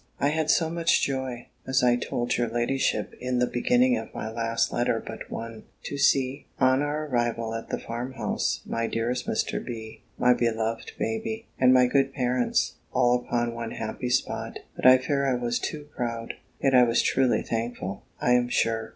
I had so much joy (as I told your ladyship in the beginning of my last letter but one) to see, on our arrival at the farm house, my dearest Mr. B., my beloved baby, and my good parents, all upon one happy spot, that I fear I was too proud Yet I was truly thankful, I am sure!